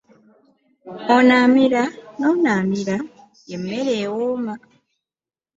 Ono amira n’ono amira ye mmere ewooma.